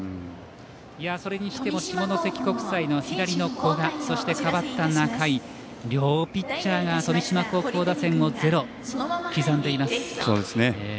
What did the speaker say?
それにしても下関国際の古賀そして代わった仲井両ピッチャーが富島高校打線をゼロ刻んでいます。